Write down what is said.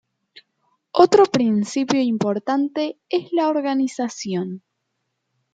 Otro principio importante es la organización.